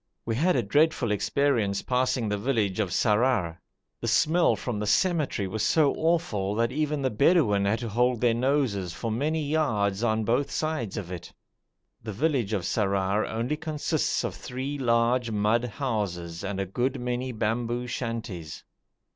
We had a dreadful experience passing the village of Sarrar. The smell from the cemetery was so awful that even the Bedouin had to hold their noses for many yards on both sides of it. The village of Sarrar only consists of three large mud houses and a good many bamboo shanties.